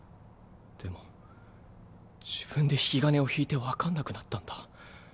でも自分で引き金を引いて分かんなくなったんだ。